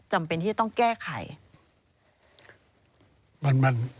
จำเป็นที่จะต้องแก้ไข